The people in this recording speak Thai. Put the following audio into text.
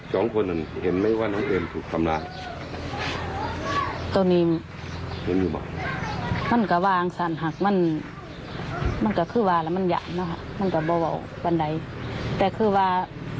เหมืออยู่ข้างกองที่เขาอยู่ข้างในเรา